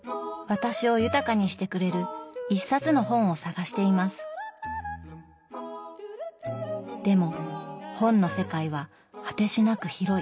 私を豊かにしてくれる一冊の本を探していますでも本の世界は果てしなく広い。